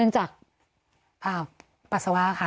ใช่ค่ะ